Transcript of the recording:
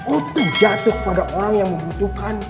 untuk jatuh pada orang yang membutuhkan